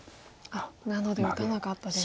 なので打たなかったです。